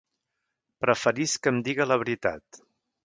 Preferisc que em diga la veritat.